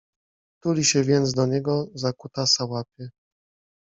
Tuli się więc do niego, za kutasa łapie